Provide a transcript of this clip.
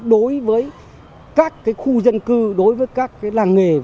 đối với các khu dân cư đối với các làng nghề